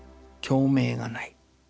響鳴がない。